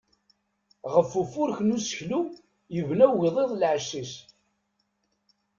Ɣef ufurek n useklu, yebna ugḍiḍ lɛecc-is.